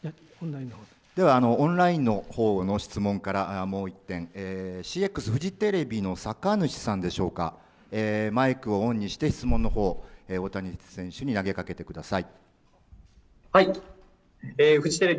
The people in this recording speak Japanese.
では、オンラインのほうの質問から、もう一点、ＣＸフジテレビのさかぬきさんでしょうか、マイクをオンにして質問のほう、大谷選手に投げかけてください。